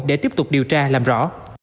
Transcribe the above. để tiếp tục điều tra làm rõ